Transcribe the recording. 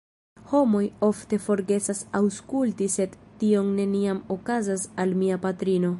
Homoj ofte forgesas aŭskulti sed tio neniam okazas al mia patrino.